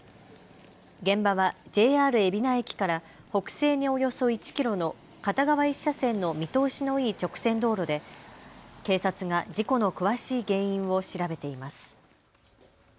現場はＪＲ海老名駅から北西におよそ１キロの片側１車線の見通しのいい直線道路で警察が事故の詳しい原因を調べています。